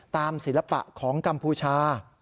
ศิลปะของกัมพูชา